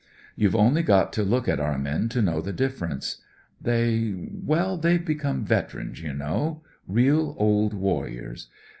You've only got to look at our men to know the difference. They— well, they've become veterans, you know, real old warriors.